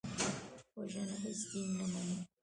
وژنه هېڅ دین نه مني